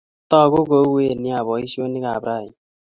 Tagu kouen nia poisyonik ap raini